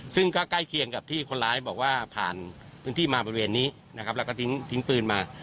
ซึ่งก็ใกล้เคียงกับที่คนร้ายบอกว่าผ่านพื้นที่มาบริเวณนี้นะครับแล้วก็ทิ้งปืนมา